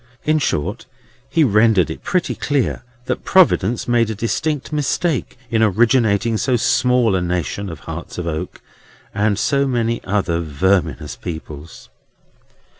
In short, he rendered it pretty clear that Providence made a distinct mistake in originating so small a nation of hearts of oak, and so many other verminous peoples.